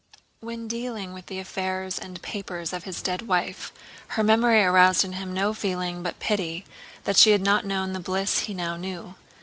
When dealing with the affairs and papers of his dead wife, her memory aroused in him no feeling but pity that she had not known the bliss he now knew.